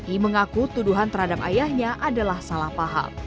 i mengaku tuduhan terhadap ayahnya adalah salah paham